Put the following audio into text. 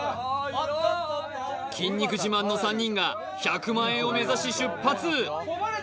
おっとっと筋肉自慢の３人が１００万円を目指し出発